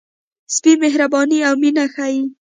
سپي مهرباني او مینه ښيي.